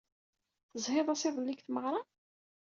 Tezhiḍ-as iḍelli deg tmeɣra?